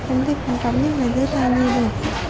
em thích bệnh viện trợ rẫy rất là nhiều